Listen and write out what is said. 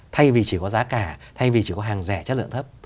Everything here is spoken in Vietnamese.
thay vì chỉ có giá cả thay vì chỉ có hàng rẻ chất lượng thấp